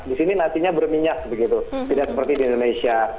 di sini nasinya berminyak begitu tidak seperti di indonesia